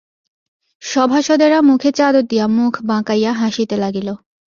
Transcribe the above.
সভাসদেরা মুখে চাদর দিয়া মুখ বাঁকাইয়া হাসিতে লাগিল।